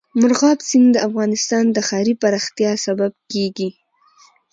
مورغاب سیند د افغانستان د ښاري پراختیا سبب کېږي.